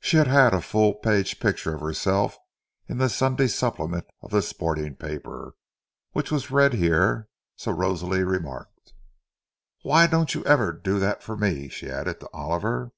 She had had a full page picture of herself in the Sunday supplement of the "sporting paper" which was read here—so Rosalie remarked. "Why don't you ever do that for me?" she added, to Oliver.